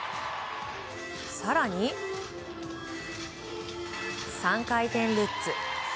更に、３回転ルッツ。